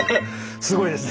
すごいですね。